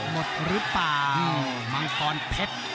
หมดหรือเปล่ามังกรเพชร